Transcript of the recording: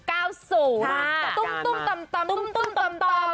ตุ้มตุ้มตำตำตุ้มตุ้มตำตอม